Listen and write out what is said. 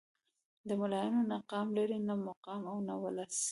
دا ملايان نه قام لري نه مقام او نه ولس.